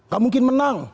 gak mungkin menang